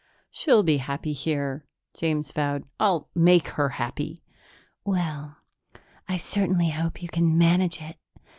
"She'll be happy here," James vowed. "I'll make her happy." "Well, I certainly hope you can manage it!